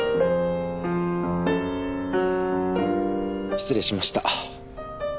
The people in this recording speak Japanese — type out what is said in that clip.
失礼しました。